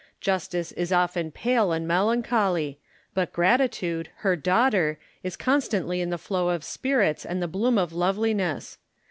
Justice is often pale and melancholy ; but Gratitude, her daughter, is constantly in the flow of spirits and the bloom of loveliness.